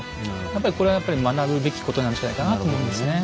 やっぱりこれは学ぶべきことなんじゃないかなと思うんですね。